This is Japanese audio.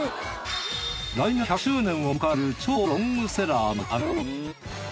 来年１００周年を迎える超ロングセラーのキャラメルだ。